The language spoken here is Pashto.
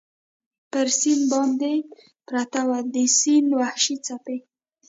پر سیند باندې پرته وه، د سیند وحشي څپې.